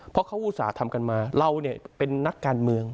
เพราะเขาอุตส่าห์ทำกันมาเราเป็นนักการเมือง